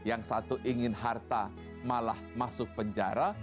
yang satu ingin harta malah masuk penjara